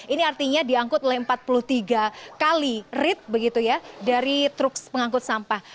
ini artinya diangkut oleh empat puluh tiga kali rit begitu ya dari truk pengangkut sampah